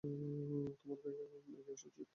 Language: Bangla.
তোমার এগিয়ে আসা উচিত!